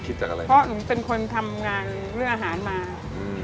จากอะไรเพราะหนูเป็นคนทำงานเรื่องอาหารมาอืม